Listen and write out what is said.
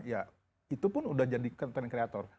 ya itu pun udah jadi content creator